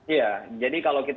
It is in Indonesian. iya jadi kalau kita